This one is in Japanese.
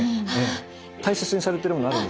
大切にされてるものあるんですか？